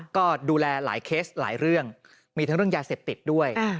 ก็ดูแลหลายเคสหลายเรื่องมีทั้งเรื่องยาเสพติดด้วย